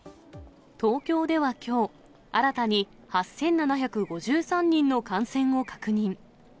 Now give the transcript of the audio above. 東京ではきょう、新たに８７５３人の感染を確認。